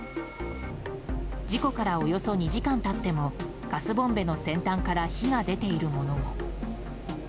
事故からおよそ２時間経ってもガスボンベの先端から火が出ているものも。